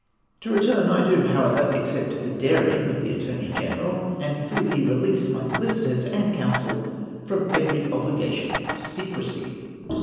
To return : I do, however, accept the daring of the Attor ney Gfeneral, and freely release my solicitors and counsel from every obligation of secresy.